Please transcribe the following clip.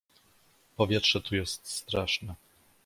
"Powietrze tu jest straszne!"